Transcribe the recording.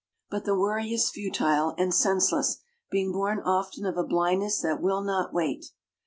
But the worry is futile and senseless, being born often of a blindness that will not wait.